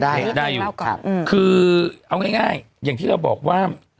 ได้ได้อยู่คือเอาง่ายอย่างที่เราบอกว่า